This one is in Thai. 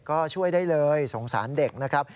ก็ช่วยได้เลยสงสารเด็กนะครับ